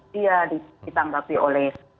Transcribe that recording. dia ditanggapi oleh